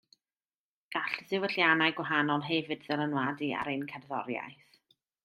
Gall diwylliannau gwahanol hefyd ddylanwadu ar ein cerddoriaeth